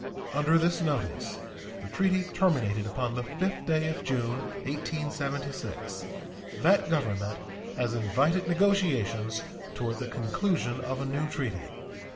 Under this notice the treaty terminated upon the 5th day of June, 1876. That Government has invited negotiations toward the conclusion of a new treaty.